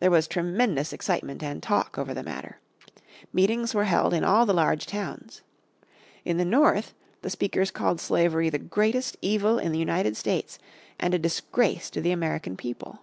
There was tremendous excitement and talk over the matter. Meetings were held in all the large towns. In the North the speakers called slavery the greatest evil in the United States, and a disgrace to the American people.